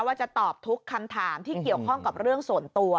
ว่าจะตอบทุกคำถามที่เกี่ยวข้องกับเรื่องส่วนตัว